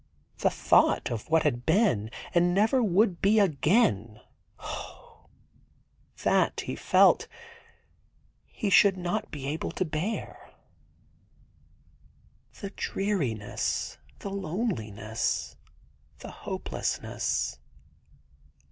The thought of what had been and never would be again — oh! that, he felt, he should not be able to bear — the dreariness, the loneliness, the hopelessness.